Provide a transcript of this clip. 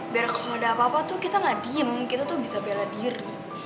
biar kalau ada apa apa tuh kita gak diem kita tuh bisa bela diri